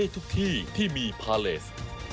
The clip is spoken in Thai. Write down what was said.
ทุกที่ที่มีพาเลส